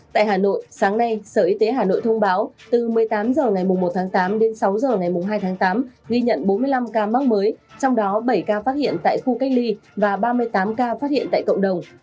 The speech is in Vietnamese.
tại hà nội sáng nay sở y tế hà nội thông báo từ một mươi tám h ngày một tháng tám đến sáu h ngày hai tháng tám ghi nhận bốn mươi năm ca mắc mới trong đó bảy ca phát hiện tại khu cách ly và ba mươi tám ca phát hiện tại cộng đồng